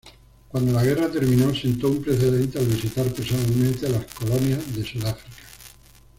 Cuando la guerra terminó, sentó un precedente al visitar personalmente las colonias de Sudáfrica.